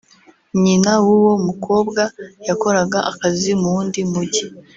nyina w’uwo mukobwa yakoraga akazi mu wundi mujyi